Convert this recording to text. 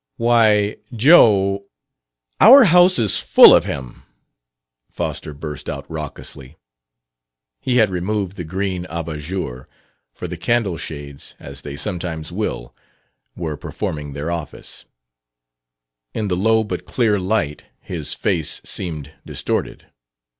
"Why, Joe !" "Our house is full of him!" Foster burst out raucously. He had removed the green abat jour, for the candle shades (as they sometimes will) were performing their office. In the low but clear light his face seemed distorted.